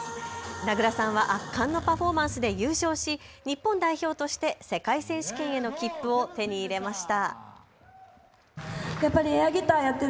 名倉さんは圧巻のパフォーマンスで優勝し日本代表として世界選手権への切符を手に入れました。